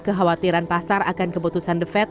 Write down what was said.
kekhawatiran pasar akan keputusan the fed